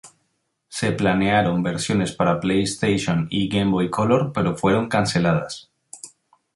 Se planearon versiones para PlayStation y Game Boy Color pero fueron canceladas.